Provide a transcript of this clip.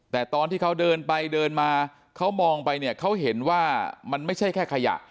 แต่ตอนที่เขาเดินไปเดินมาเขามองไปเนี่ยเขาเห็นว่ามันไม่ใช่แค่ขยะ